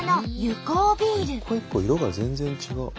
一個一個色が全然違う。